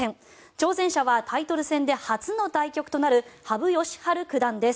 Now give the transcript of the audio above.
挑戦者はタイトル戦で初の対局となる羽生善治九段です。